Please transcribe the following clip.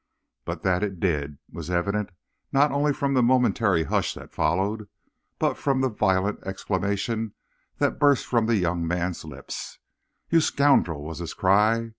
But that it did was evident, not only from the momentary hush that followed, but from the violent exclamation that burst from the young man's lips. 'You scoundrel!' was his cry.